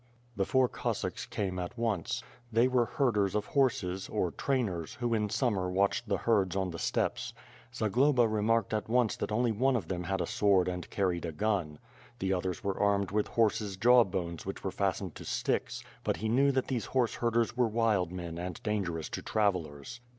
The four Cossacks came at once. They were herders of horses, or trainers, who in summer watched the herds on the ste|)pes. Zagloba remarked at once that only one of them had n sword and carried a gun. The others were armt'd with hordes' jaw bones which were fastened to sticks, but he knew that these horse herders were wild men and dangerous to travellers.